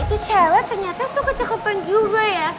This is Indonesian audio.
itu cewek ternyata suka cakepan juga ya